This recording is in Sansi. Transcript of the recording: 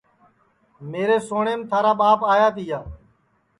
میرے سوٹؔیم تھارا ٻاپ آیا تِیا